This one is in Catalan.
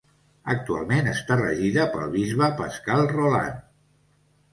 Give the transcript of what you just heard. Actualment està regida pel bisbe Pascal Roland.